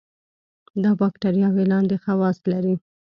دا باکتریاوې لاندې خواص لري.